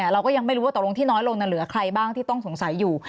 เราก็ยังไม่รู้ว่าตกลงที่น้อยลงเหลือใครบ้างที่ต้องสงสัยอยู่